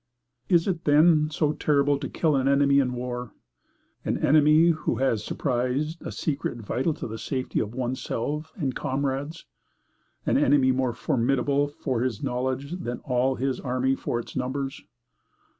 Is it, then, so terrible to kill an enemy in war an enemy who has surprised a secret vital to the safety of one's self and comrades an enemy more formidable for his knowledge than all his army for its numbers?